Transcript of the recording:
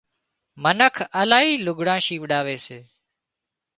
منک الاهي لگھڙان شيوڙاوي سي